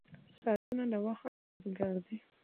• ساعتونه د وخت انځور ګر دي.